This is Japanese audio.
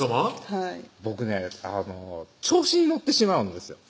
はい僕ね調子に乗ってしまうんですよ